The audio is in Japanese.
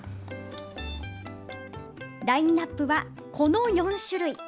ラインナップは、この４種類。